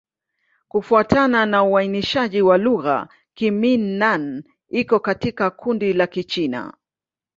Kufuatana na uainishaji wa lugha, Kimin-Nan iko katika kundi la Kichina.